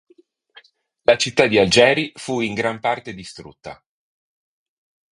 La città di Algeri fu in gran parte distrutta.